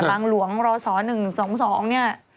หลังหลวงรศ๑๒เนี่ย